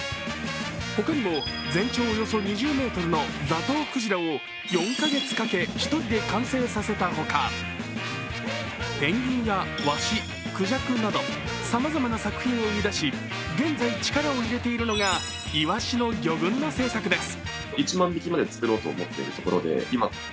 他にも全長およそ２０ｍのザトウクジラを４か月かけ、１人で完成させたほか、ペンギンやわし、くじゃくなどさまざまな作品を生み出し現在、力を入れているのがイワシの魚群の制作です。